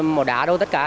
một đá đô tất cả